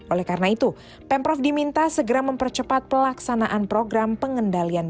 oleh karena itu pemprov diminta segera mempercepat pelaksanaan program pengendalian